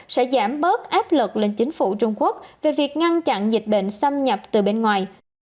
sẽ giảm bớt áp lực lên chính phủ trung quốc về việc ngăn chặn dịch bệnh xâm nhập từ bên ngoài